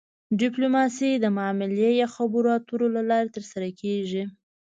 ډیپلوماسي د معاملې یا خبرو اترو له لارې ترسره کیږي